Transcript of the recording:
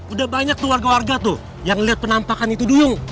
udah banyak tuh warga warga tuh yang ngeliat penampakan itu duyung